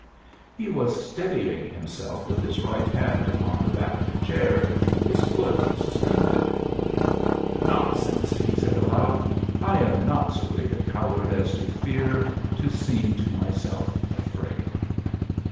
He was steadying himself with his right hand upon the back of a chair, his foot suspended. "Nonsense!" he said aloud; "I am not so great a coward as to fear to seem to myself afraid."